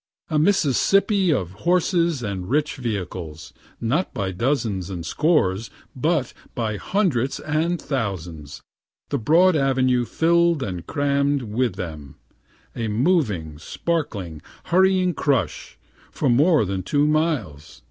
A Mississippi of horses and rich vehicles, not by dozens and scores, but hundreds and thousands the broad avenue filled and cramm'd with them a moving, sparkling, hurrying crush, for more than two miles.